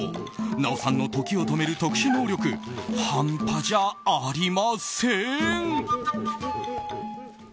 奈緒さんの時を止める特殊能力半端じゃありません。